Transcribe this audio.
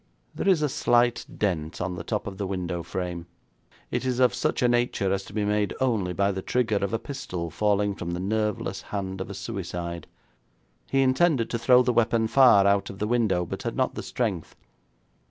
'There is a slight dent on the top of the window frame. It is of such a nature as to be made only by the trigger of a pistol falling from the nerveless hand of a suicide. He intended to throw the weapon far out of the window, but had not the strength.